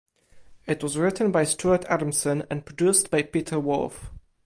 It was written by Stuart Adamson and produced by Peter Wolf.